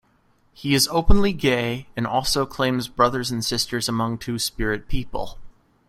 He is openly gay, and also claims brothers and sisters among Two-Spirit people.